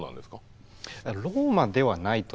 ローマではないと。